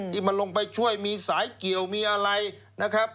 ที่มันลงไปช่วยมีสายเกี่ยวมีอะไรนะครับ